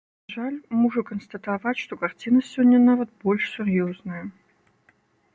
На жаль, мушу канстатаваць, што карціна сёння нават больш сур'ёзная.